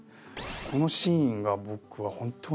このシーンが僕は本当に好きで。